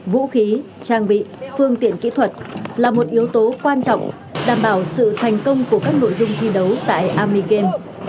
vũ khí trang bị phương tiện kỹ thuật là một yếu tố quan trọng đảm bảo sự thành công của các nội dung thi đấu tại army game